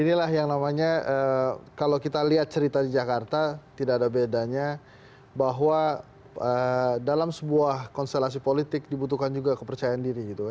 inilah yang namanya kalau kita lihat cerita di jakarta tidak ada bedanya bahwa dalam sebuah konstelasi politik dibutuhkan juga kepercayaan diri gitu ya